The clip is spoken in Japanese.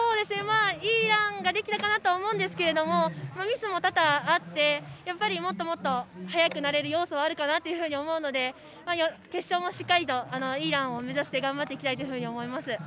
いいランができたかなと思うんですがミスも多々あって、やっぱりもっともっと速くなれる要素があるかなと思うので決勝も、しっかりいいランを目指して頑張っていきたいと思います。